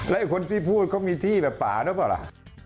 ไอ้คนที่พูดเขามีที่แบบป่าหรือเปล่าล่ะ